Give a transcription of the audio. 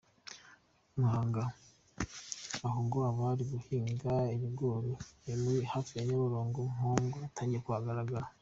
Muri Muhanga naho ngo abari guhinga ibigori hafi ya Nyabarongo nkongwa yatangiye kuhagaragara.